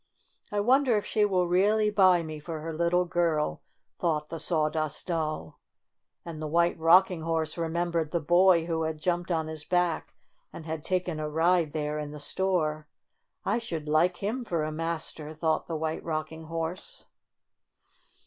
"I wonder if she will really buy me for her little girl," thought the Sawdust Doll. And the White Rocking Horse remem bered the boy who had jumped on his back and had taken a ride there in the store. "I should like him for a master," thought the White Rocking Horse.